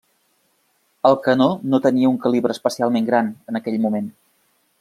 El canó no tenia un calibre especialment gran en aquell moment.